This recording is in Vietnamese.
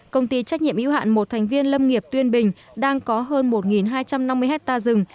công ty trách nhiệm yếu hạn một thành viên lâm nghiệp tuyên bình đang có hơn một hai trăm năm mươi hectare rừng